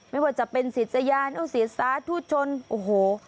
ไม่ว่าจะเป็นศิษยานอุศิษสาธุชนโอ้โห